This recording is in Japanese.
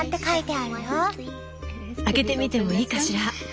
開けてみてもいいかしら？